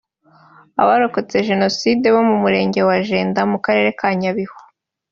Abarokotse Jenoside bo mu murenge wa Jenda mu karere ka Nyabihu